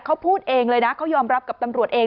เขาพูดเองเลยนะเขายอมรับกับตำรวจเอง